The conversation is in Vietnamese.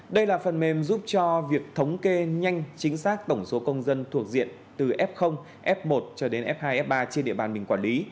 đây là phần mềm giúp cho việc thống kê nhanh chính xác tổng số công dân thuộc diện từ f f một cho đến f hai f ba trên địa bàn mình quản lý